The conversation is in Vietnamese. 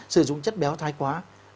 sử dụng chất béo thái quá